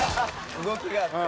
動きがあって。